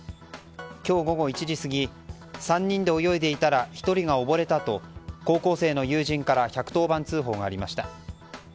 今日午後１時過ぎ３人で泳いでいたら１人が溺れたと高校生の友人から１１０番通報がありました。